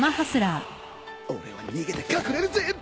俺は逃げて隠れるぜ！